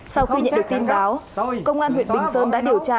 sau khi nhận được tin báo công an huyện bình sơn đã điều tra